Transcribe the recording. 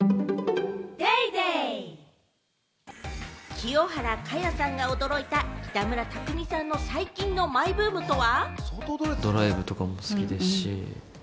清原果耶さんが驚いた北村匠海さんの最近のマイブームとは？